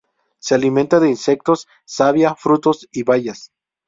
Se alimenta de insectos, savia, frutos y bayas.